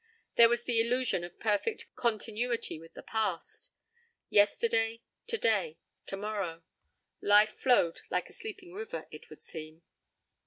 There was the illusion of perfect continuity with the past. Yesterday, today, tomorrow. Life flowed like a sleeping river, it would seem.